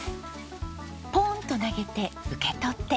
ポーンと投げて受け取って。